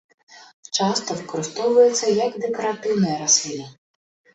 Часта выкарыстоўваецца як дэкаратыўная расліна.